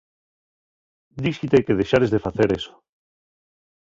Díxite que dexares de facer eso.